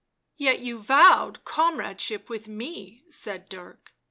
" Yet you vowed comradeship with me," said Dirk.